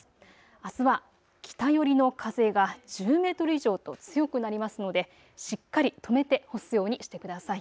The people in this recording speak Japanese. あすは北寄りの風が１０メートル以上と強くなりますのでしっかりとめて干すようにしてください。